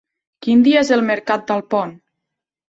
Quin dia és el mercat d'Alpont?